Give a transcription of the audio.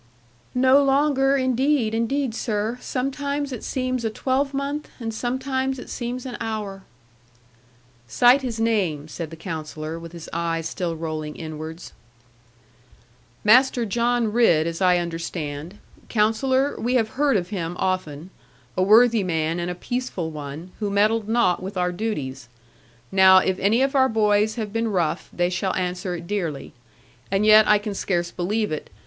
'No longer, indeed, indeed, sir. Sometimes it seems a twelvemonth, and sometimes it seems an hour.' 'Cite his name,' said the Counsellor, with his eyes still rolling inwards. 'Master John Ridd, as I understand. Counsellor, we have heard of him often; a worthy man and a peaceful one, who meddled not with our duties. Now, if any of our boys have been rough, they shall answer it dearly. And yet I can scarce believe it.